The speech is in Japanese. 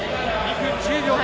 ２分１０秒７０。